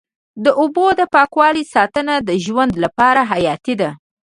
د اوبو د پاکوالي ساتنه د ژوند لپاره حیاتي ده.